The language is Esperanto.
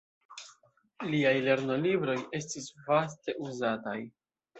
Liaj lernolibroj estis vaste uzataj.